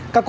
các cô mẹ